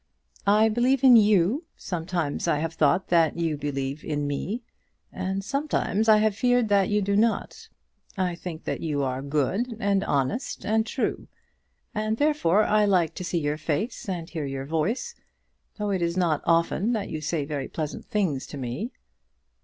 "I believe in you. Sometimes I have thought that you believe in me, and sometimes I have feared that you do not. I think that you are good, and honest, and true; and therefore I like to see your face and hear your voice, though it is not often that you say very pleasant things to me."